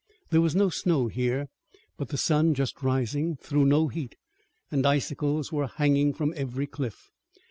There was no snow here, but the sun, just rising, threw no heat, and icicles were hanging from every cliff.